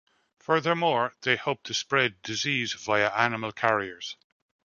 Furthermore, they hoped to spread disease via animal carriers.